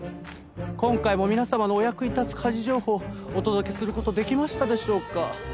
今回も皆様のお役に立つ家事情報をお届けする事できましたでしょうか？